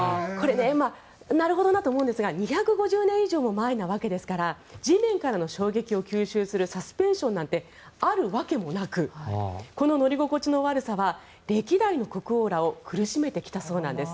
なるほどなと思うんですが２５０年以上も前なわけですから地面からの衝撃を吸収するサスペンションなんてあるわけもなくこの乗り心地の悪さは歴代の国王らを苦しめてきたそうなんです。